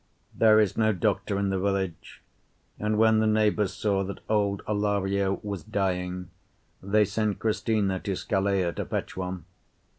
There is no doctor in the village, and when the neighbours saw that old Alario was dying they sent Cristina to Scalea to fetch one.